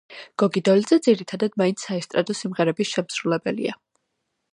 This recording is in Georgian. გოგი დოლიძე ძირითადად მაინც საესტრადო სიმღერების შემსრულებელია.